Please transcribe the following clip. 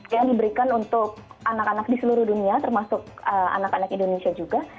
yang diberikan untuk anak anak di seluruh dunia termasuk anak anak indonesia juga